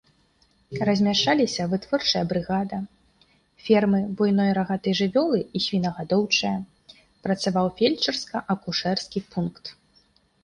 Размяшчаліся вытворчая брыгада, фермы буйной рагатай жывёлы і свінагадоўчая, працаваў фельчарска-акушэрскі пункт.